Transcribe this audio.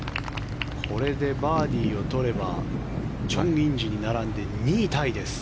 これでバーディーを取ればチョン・インジに並んで２位タイです。